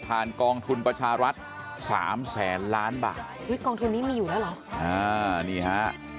อุ๊ยกองทุ่มนี้มีอยู่แล้วเหรออ๋อนี่ฮะ